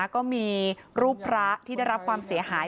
ก็มีรูปพระที่ได้รับความเสียหาย